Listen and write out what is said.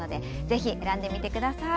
ぜひ選んでみてください。